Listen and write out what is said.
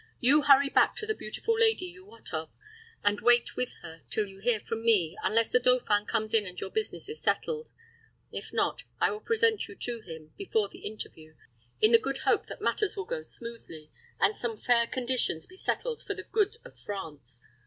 You hurry back to the beautiful lady you wot of, and wait with her till you hear from me, unless the dauphin comes in and your business is settled. If not, I will present you to him before the interview, in the good hope that matters will go smoothly, and some fair conditions be settled for the good of France.